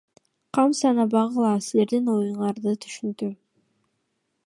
Кам санабагыла, силердин оюңарды түшүндүм.